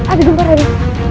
ada gempar adi